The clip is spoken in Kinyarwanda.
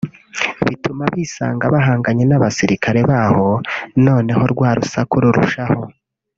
bituma bisanga bahanganye n’abasirikare b’aho noneho rwa rusaku rurushaho